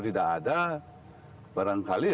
tidak ada barangkali